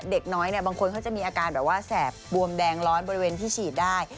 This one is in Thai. เด็กน้อยเนี่ยบางคนเขาจะมีอาการแบบว่าแสบบวมแดงร้อนบริเวณที่ฉีดได้